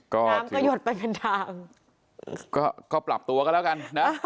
ก็น้ำก็หยดไปเป็นทางก็ปรับตัวก็แล้วกันนะ